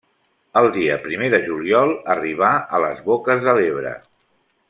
El dia primer de juliol arribà a les boques de l'Ebre.